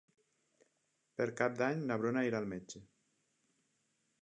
Per Cap d'Any na Bruna irà al metge.